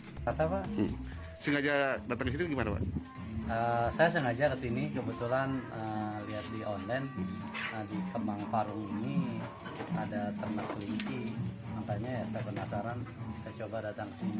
di kembang parung ini ada ternak kelinci makanya saya penasaran saya coba datang ke sini